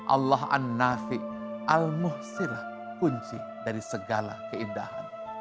allah an nafi al muhsirlah kunci dari segala keindahan